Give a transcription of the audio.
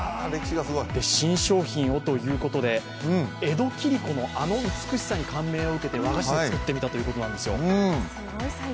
新商品をということで江戸切子のあの美しさに感銘を受けて和菓子で作ってみたということなんですよ。